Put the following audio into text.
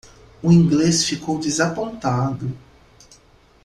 O inglês ficou desapontado.